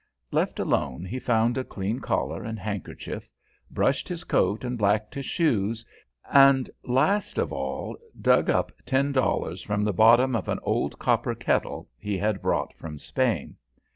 Left alone, he found a clean collar and handkerchief, brushed his coat and blacked his shoes, and last of all dug up ten dollars from the bottom of an old copper kettle he had brought from Spain.